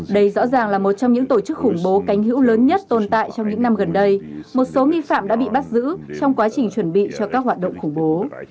đây rõ ràng là một trong những tổ chức khủng bố cánh hữu lớn nhất tồn tại trong những năm gần đây một số nghi phạm đã bị bắt giữ trong quá trình chuẩn bị cho các hoạt động khủng bố